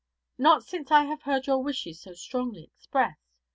'Not since I have heard your wishes so strongly expressed.